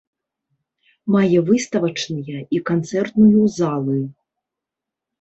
Мае выставачныя і канцэртную залы.